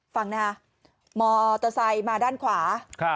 ฟังนะฮะมอเตอร์ไซค์มาด้านขวา